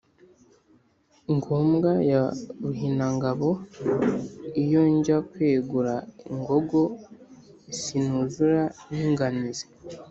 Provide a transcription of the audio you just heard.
ngombwa ya Runihangabo, iyo njya kwegura ingogo sinuzura n’ inganizi.